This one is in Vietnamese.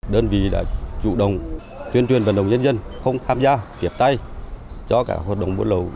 đơn vị đã chủ động tuyên truyền vận động nhân dân không tham gia kiệp tay cho cả hoạt động bộ lầu